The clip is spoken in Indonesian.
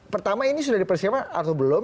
pertama ini sudah dipersiapkan atau belum